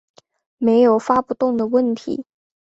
没有发不动的问题